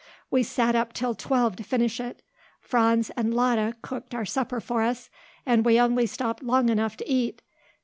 We sat up till twelve to finish it. Franz and Lotta cooked our supper for us and we only stopped long enough to eat.